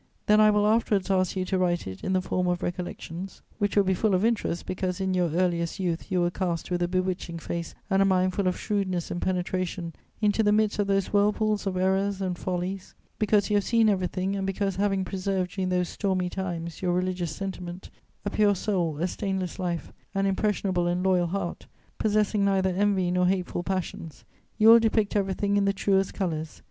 Then I will afterwards ask you to write it in the form of recollections, which will be full of interest, because, in your earliest youth, you were cast, with a bewitching face and a mind full of shrewdness and penetration, into the midst of those whirlpools of errors and follies; because you have seen everything; and because, having preserved, during those stormy times, your religious sentiment, a pure soul, a stainless life, an impressionable and loyal heart, possessing neither envy nor hateful passions, you will depict everything in the truest colours.